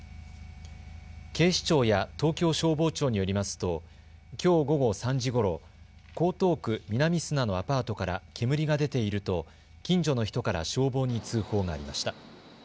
警視庁や東京消防庁によりますときょう午後３時ごろ、江東区南砂のアパートから煙が出ていると近所の人から消防に通報がありました。